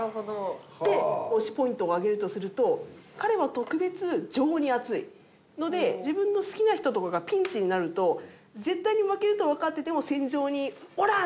で推しポイントを挙げるとすると彼は特別情に厚いので自分の好きな人とかがピンチになると絶対に負けるとわかってても戦場にオラッ！